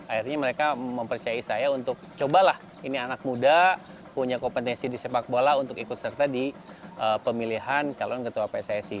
akhirnya mereka mempercayai saya untuk cobalah ini anak muda punya kompetensi di sepak bola untuk ikut serta di pemilihan calon ketua pssi